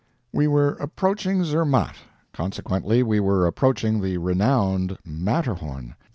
We were approaching Zermatt; consequently, we were approaching the renowned Matterhorn.